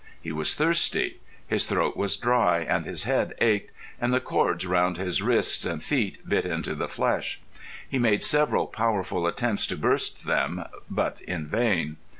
He was thirsty. His throat was dry and his head ached, and the cords round his wrists and feet bit into the flesh. He made several powerful attempts to burst them, but in vain.